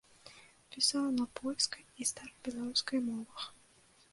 Пісаў на польскай і старабеларускай мовах.